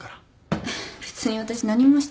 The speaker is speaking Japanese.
別に私何もしてないよ。